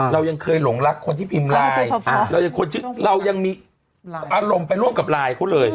เรายังเคยหลงรักคนที่พิมพ์ไลน์เรายังมีอารมณ์ไปร่วมกับไลน์เขาเลย